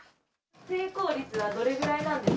成功率はどれぐらいなんです